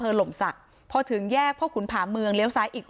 หล่มศักดิ์พอถึงแยกพ่อขุนผาเมืองเลี้ยวซ้ายอีก